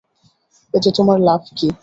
এতে তোমার লাভ কী?